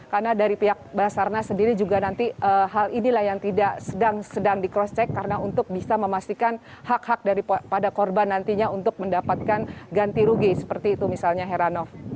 karena dari pihak basarnas sendiri juga nanti hal inilah yang tidak sedang sedang di cross check karena untuk bisa memastikan hak hak pada korban nantinya untuk mendapatkan ganti rugi seperti itu misalnya heranov